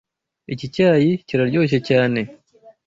Iki cyayi kiraryoshye cyane.